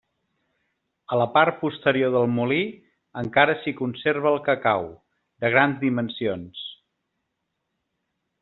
A la part posterior del molí encara s'hi conserva el cacau, de grans dimensions.